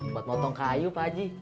buat motong kayu pak haji